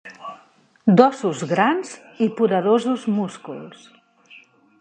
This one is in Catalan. D'ossos grans i poderosos músculs.